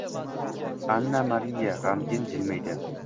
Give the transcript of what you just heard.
Anna-Mariya g`amgin jilmaydi